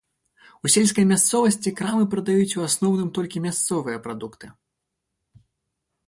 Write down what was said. У сельскай мясцовасці крамы прадаюць у асноўным толькі мясцовыя прадукты.